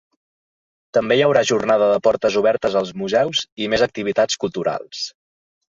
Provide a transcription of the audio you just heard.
També hi haurà jornada de portes obertes als museus i més activitats culturals.